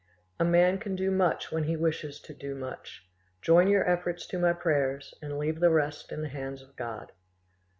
"A man can do much when he wishes to do much: join your efforts to my prayers, and leave the rest in the hands of God."